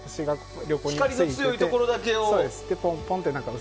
光が強いところだけを。